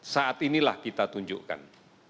saat inilah kita tunjukkan